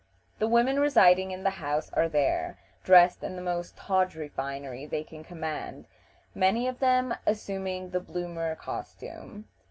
The women residing in the house are there, dressed in the most tawdry finery they can command, many of them assuming the bloomer costume.